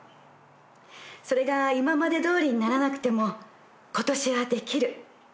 それが今までどおりにならなくてもことしはできる。